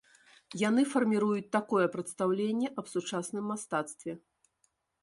Яны фарміруюць такое прадстаўленне аб сучасным мастацтве.